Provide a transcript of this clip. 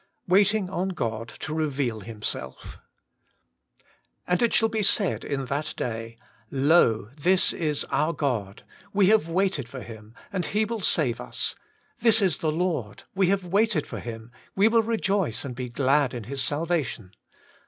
WAITING ON GOD : ^0 'Repeal tbimselt* 'And it shall be said in that day, Lo, this is oitb God ; we have waited for Him, and He will save us : THIS IS THE Lord ; we have waited for Him, we will rejoice and be glad in His salvation.'